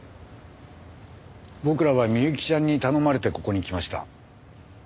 僕らは美幸ちゃんに頼まれてここに来ました。